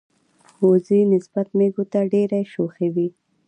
وزې نسبت مېږو ته ډیری شوخی وی.